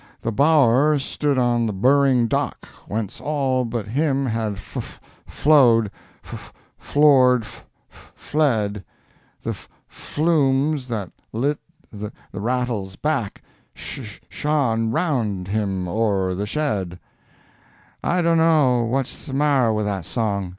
The bawr stood on the burring dock, Whence all but him had f flowed—f floored—f fled— The f flumes that lit the rattle's back Sh shone round him o'er the shed— "I dono what's the marrer withat song.